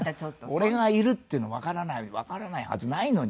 俺がいるっていうのわからないわからないはずないのに。